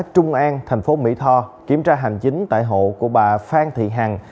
trung an thành phố mỹ tho kiểm tra hành chính tại hộ của bà phan thị hằng